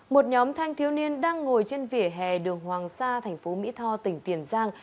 một nhóm thanh thiếu niên đang ngồi trên vỉa hè đường hoàng sa tp mỹ tho tỉnh tiền giang